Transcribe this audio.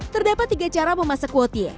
terdapat tiga cara memasak watie